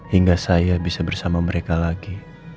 hingga saya bisa bersama mereka lagi